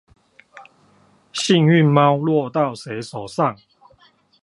幸運貓落到誰手上